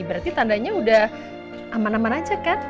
berarti tandanya udah aman aman aja kan